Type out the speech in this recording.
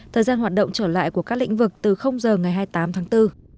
thời gian hoạt động trở lại của các lĩnh vực từ giờ ngày hai mươi tám tháng bốn